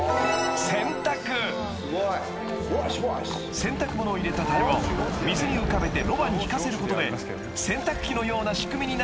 ［洗濯物を入れたたるを水に浮かべてロバに引かせることで洗濯機のような仕組みになっているんです］